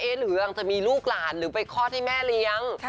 หรือยังจะมีลูกหลานหรือไปคลอดให้แม่เลี้ยง